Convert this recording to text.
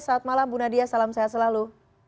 selamat malam bu nadia salam sehat selalu